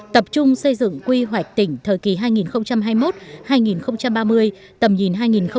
tập trung xây dựng quy hoạch tỉnh thời kỳ hai nghìn hai mươi một hai nghìn ba mươi tầm nhìn hai nghìn năm mươi